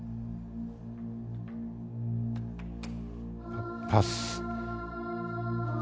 パパス。